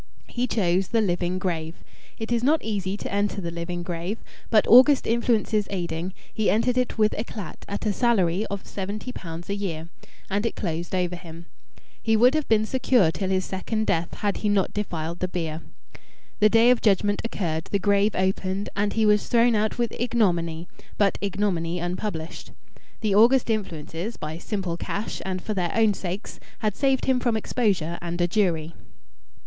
He chose the living grave. It is not easy to enter the living grave, but, august influences aiding, he entered it with éclat at a salary of seventy pounds a year, and it closed over him. He would have been secure till his second death had he not defiled the bier. The day of judgment occurred, the grave opened, and he was thrown out with ignominy, but ignominy unpublished. The august influences, by simple cash, and for their own sakes, had saved him from exposure and a jury.